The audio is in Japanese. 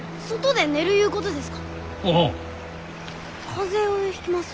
風邪をひきます。